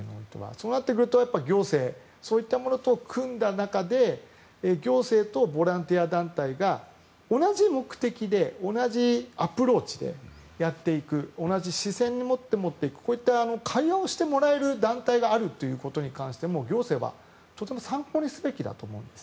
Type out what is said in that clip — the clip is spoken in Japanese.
そうなってくると行政そういったものと組んだ中で行政とボランティア団体が同じ目的で同じアプローチでやっていく同じ視線に持っていくこういった会話をしてもらえる団体があるということに関して行政はとても参考にすべきだと思うんです。